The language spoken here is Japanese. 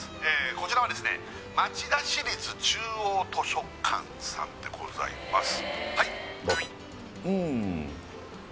こちらはですね町田市立中央図書館さんでございます